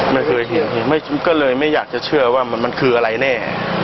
ไม่เคยเห็นก็เลยไม่อยากจะเชื่อว่ามันคืออะไรแน่